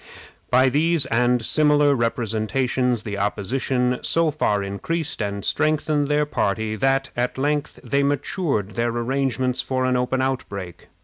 By these and similar representations the opposition so far increased and strengthened their party that, at length, they matured their arrangements for an open outbreak.